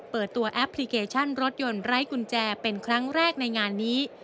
เปิดตัวแอปพลิเคชันรถยนต์ไร้กุญแจเป็นครั้งแรกในงานนี้